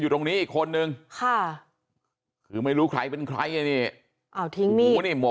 อยู่ตรงนี้คนนึงค่ะคือไม่รู้ใครเป็นใครนี่เอาทิ้งนี่มัว